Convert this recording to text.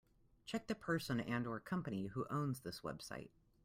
Check the person and/or company who owns this website.